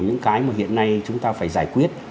những cái mà hiện nay chúng ta phải giải quyết